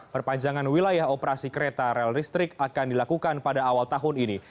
perpanjangan wilayah operasi kereta rel listrik akan dilakukan pada awal tahun ini